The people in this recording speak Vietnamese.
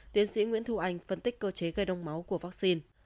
tiến sĩ nguyễn thu anh phân tích cơ chế gây đông máu của vaccine